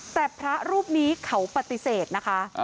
แต่พระรูปนี้เขาปฏิเสธนะคะ